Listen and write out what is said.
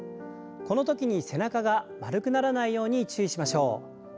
このときに背中が丸くならないように注意しましょう。